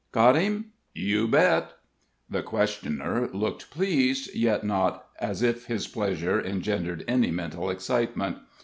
"Got him?" "You bet!" The questioner looked pleased, yet not as if his pleasure engendered any mental excitement.